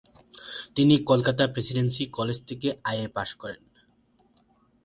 তিনি Kolkata Presidency College থেকে IA পাশ করেন।